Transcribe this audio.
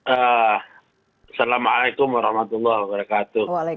assalamualaikum wr wb